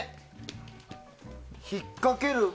引っかける。